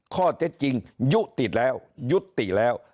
ข้อเท็จจริงยุติแล้วยุติแล้ว